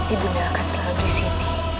ibunda akan selalu disini